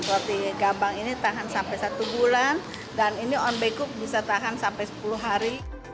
roti gambang ini tahan sampai satu bulan dan ini on becook bisa tahan sampai sepuluh hari